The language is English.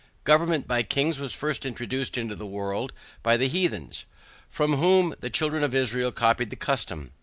Government by kings was first introduced into the world by the Heathens, from whom the children of Israel copied the custom.